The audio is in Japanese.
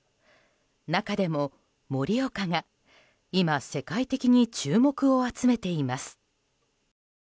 中でも、盛岡が今世界的に注目を集めています。